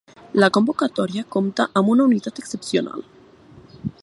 La convocatòria compta amb una unitat excepcional.